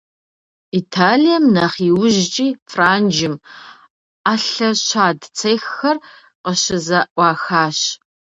Италием, нэхъ иужькӏи Франджым, ӏэлъэ щад цеххэр къыщызэӏуахащ.